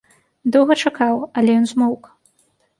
Доўга чакаў, але ён змоўк.